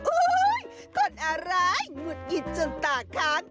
อุ๊ยคนอร้ายมุดอิดจนตากล้าง